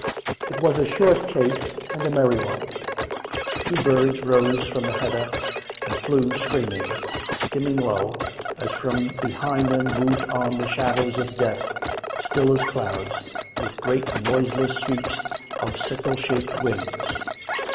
It was a short chase and a merry one. Two birds rose from the heather and flew screaming, skimming low, as from behind them moved on the shadows of death, still as clouds, with great noiseless sweeps of sickle shaped wings.